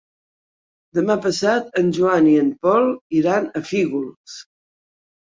Demà passat en Joan i en Pol iran a Fígols.